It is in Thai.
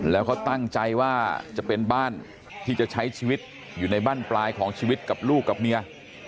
แล้วเขาตั้งใจว่าจะเป็นบ้านที่จะใช้ชีวิตอยู่ในบ้านปลายของชีวิตกับลูกกับเมีย